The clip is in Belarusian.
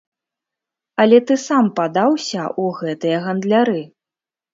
Але ты сам падаўся ў гэтыя гандляры.